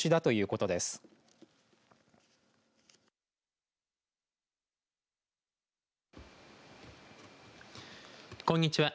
こんにちは。